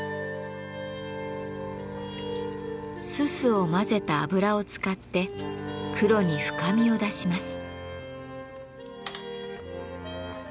煤を混ぜた油を使って黒に深みを出します。